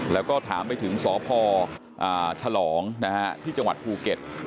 แล้วก็ถามไปถึงสพฉลองที่จังหวัดภูเก็ต